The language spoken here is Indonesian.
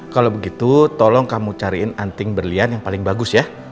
kalau begitu tolong kamu cariin anting berlian yang paling bagus ya